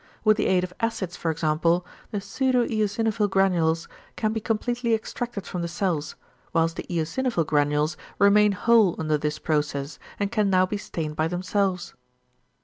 With the aid of acids, for example, the pseudoeosinophil granules can be completely extracted from the cells, whilst the eosinophil granules remain whole under this process, and can now be stained by themselves.